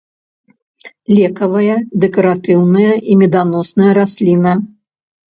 Лекавая, дэкаратыўная і меданосная расліна.